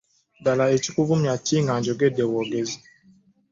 Ddala ekikunvumya kiki nga njogeddeko bwogezi?